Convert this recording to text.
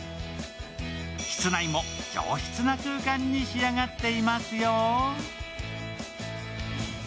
室内も上質な空間に仕上がっていますよ。